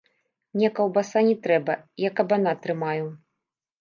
Мне каўбаса не трэба, я кабана трымаю!